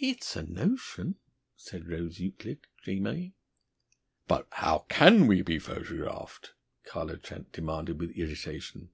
"It's a notion," said Rose Euclid dreamily. "But how can we be photographed?" Carlo Trent demanded with irritation.